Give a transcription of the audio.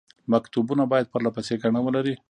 مکتوبونه باید پرله پسې ګڼه ولري.